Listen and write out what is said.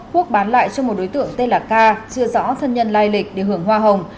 quốc bán lại cho một đối tượng tên là k chưa rõ thân nhân lai lịch để hưởng hoa hồng